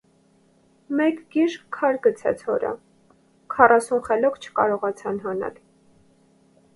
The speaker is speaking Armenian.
Մեկ գիժ քար գցեց հորը, քառասուն խելոք չկարողացան հանել: